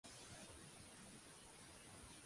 Fall i Charles H. Burke.